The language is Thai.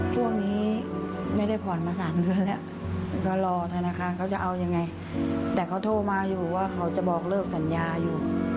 ช่วงนี้ไม่ได้ผ่อนมา๓เดือนแล้วก็รอธนาคารเขาจะเอายังไงแต่เขาโทรมาอยู่ว่าเขาจะบอกเลิกสัญญาอยู่